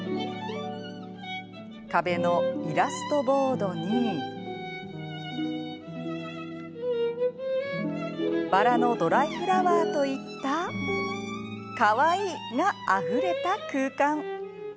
壁のイラストボードにバラのドライフラワーといったかわいいがあふれた空間。